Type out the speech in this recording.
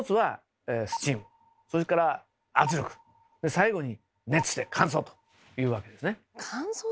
最後に「熱で乾燥」というわけですね。